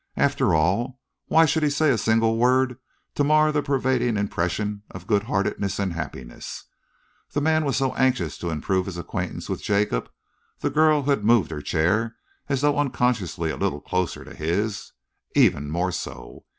After all, why should he say a single word to mar the pervading impression of good heartedness and happiness? The man was so anxious to improve his acquaintance with Jacob; the girl, who had moved her chair as though unconsciously a little closer to his, even more so.